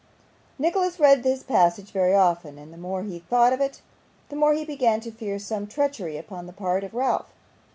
Nicholas read this passage very often, and the more he thought of it the more he began to fear some treachery upon the part of Ralph.